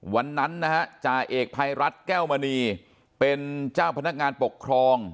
วันนั้นนะฮะจ่าเอกภัยรัฐแก้วมณีเป็นเจ้าพนักงานปกครอง